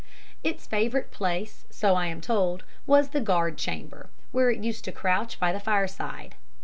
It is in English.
Its favourite place, so I am told, was the guard chamber, where it used to crouch by the fireside.